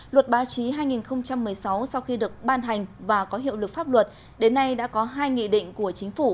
luật báo chí hai nghìn một mươi sáu sau khi được ban hành và có hiệu lực pháp luật đến nay đã có hai nghị định của chính phủ